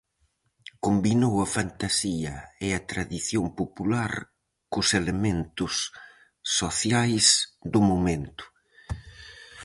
Combinou a fantasía e a tradición popular cos elementos sociais do momento.